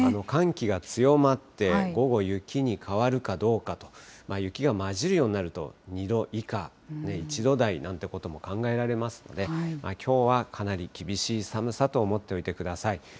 寒気が強まって、午後、雪に変わるかどうかと、雪が交じるようになると、２度以下、１度台なんてことも考えられますので、きょうはかなり厳しい寒さと思っておいてください。